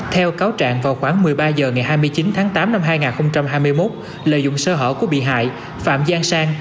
theo cáo trạng vào khoảng một mươi ba h ngày hai mươi chín tháng tám năm hai nghìn hai mươi một lợi dụng sơ hở của bị hại phạm giang sang